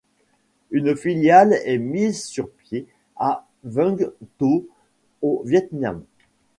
Une filiale est mise sur pied à Vũng Tàu au Vietnam.